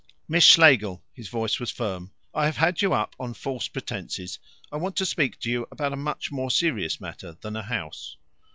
"Miss Schlegel" his voice was firm "I have had you up on false pretences. I want to speak about a much more serious matter than a house."